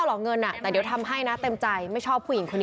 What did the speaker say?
หลอกเงินแต่เดี๋ยวทำให้นะเต็มใจไม่ชอบผู้หญิงคนนี้